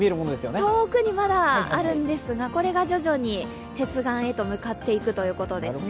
遠くにまだあるんですがこれが徐々に接岸へと向かっていくということですね。